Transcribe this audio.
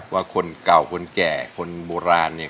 ว่าคนเก่าคนแก่คนโบราณเนี่ย